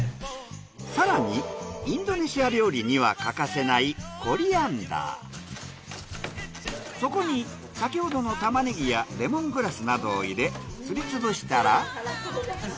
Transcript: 更にインドネシア料理には欠かせないそこに先ほどのタマネギやレモングラスなどを入れすりつぶしたら。